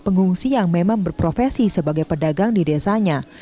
pengungsi yang memang berprofesi sebagai pedagang di desanya